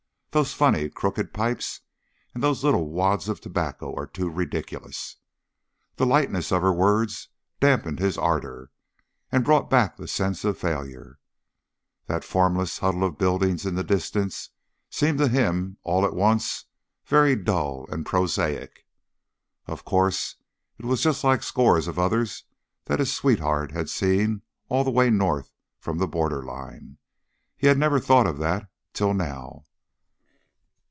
Those funny, crooked pipes and those little wads of tobacco are too ridiculous." The lightness of her words damped his ardor, and brought back the sense of failure. That formless huddle of buildings in the distance seemed to him all at once very dull and prosaic. Of course, it was just like scores of others that his sweetheart had seen all the way north from the border line. He had never thought of that till now.